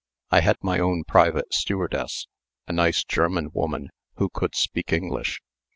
I had my own private stewardess, a nice German woman who could speak English.